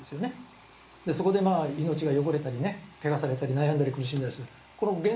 そこでまあ命が汚れたりね穢されたり悩んだり苦しんだりする。